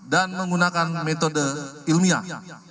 dan menggunakan metode ilmiah